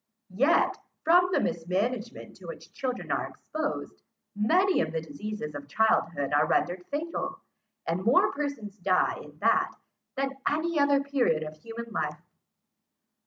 Yet, from the mismanagement to which children are exposed, many of the diseases of childhood are rendered fatal, and more persons die in that, than in any other period of human life.